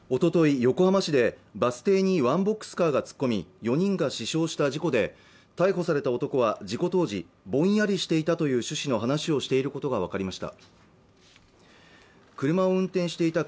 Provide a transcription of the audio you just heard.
横浜市でバス停にワンボックスカーが突っ込み４人が死傷した事故で逮捕された男は事故当時ぼんやりしていたという趣旨の話をしていることが分かりました